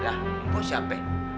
lah mbah siap be